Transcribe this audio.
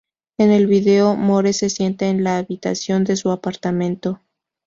En el vídeo, Moore se sienta en la habitación de su apartamento.